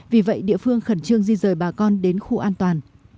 vì vậy địa phương khẩn trương di rời bà con đến khu an toàn